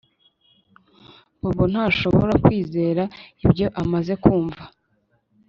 Bobo ntashobora kwizera ibyo amaze kumva